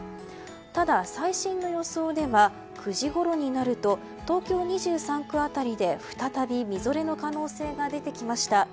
ただ、最新の予想では９時ごろになると東京２３区辺りで再びみぞれの可能性が出てきました。